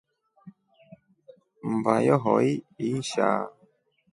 Mmba yohoi inshaa.